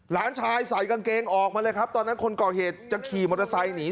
หลานชายใส่กางเกงออกมาเลยครับตอนนั้นคนก่อเหตุจะขี่มอเตอร์ไซค์หนี